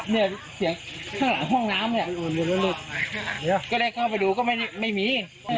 เนี่ยเสียงข้างหลังห้องน้ำเนี่ยเดี๋ยวก็ได้เข้าไปดูก็ไม่มี